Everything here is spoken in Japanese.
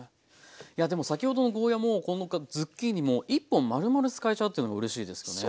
いやでも先ほどのゴーヤーもこのズッキーニも１本まるまる使えちゃうっていうのがうれしいですよね。